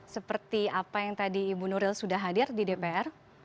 seperti apa yang tadi ibu nuril sudah hadir di dpr